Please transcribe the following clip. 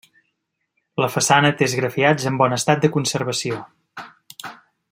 La façana té esgrafiats en bon estat de conservació.